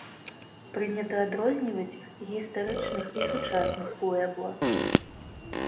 Прынята адрозніваць гістарычных і сучасных пуэбла.